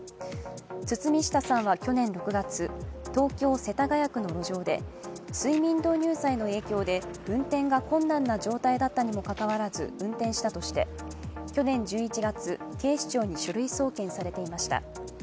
堤下さんは去年６月、東京・世田谷区の路上で睡眠導入剤の影響で運転が困難な状態だったにもかかわらず運転したとして、去年１１月、警視庁に書類送検されていました。